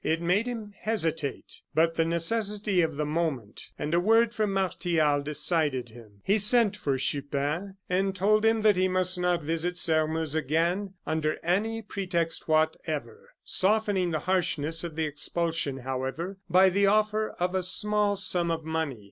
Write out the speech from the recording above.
It made him hesitate; but the necessity of the moment, and a word from Martial, decided him. He sent for Chupin and told him that he must not visit Sairmeuse again under any pretext whatever, softening the harshness of expulsion, however, by the offer of a small sum of money.